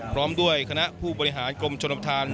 พร้อมด้วยคณะผู้บริหารกรมชนประธาน